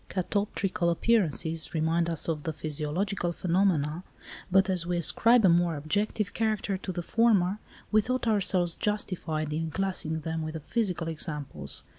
Catoptrical appearances remind us of the physiological phenomena, but as we ascribe a more objective character to the former, we thought ourselves justified in classing them with the physical examples.